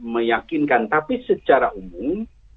meyakinkan tapi secara umum